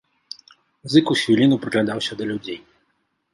Зыкаў з хвіліну прыглядаўся да людзей.